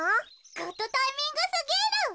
グッドタイミングすぎる。